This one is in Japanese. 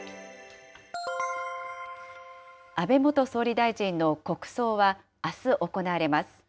安倍元総理大臣の国葬は、あす行われます。